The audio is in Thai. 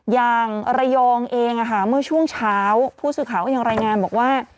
อย่างระยองเองเมื่อช่วงเช้าผู้สื่อข่าวก็ยังรายงานบอกว่า